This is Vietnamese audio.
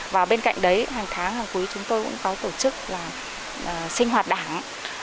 và bên cạnh đấy hàng tháng hàng quý chúng tôi cũng có tổ chức là sinh hoạt đảng